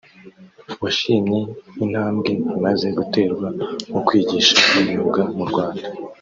washimye intambwe imaze guterwa mu kwigisha imyuga mu Rwanda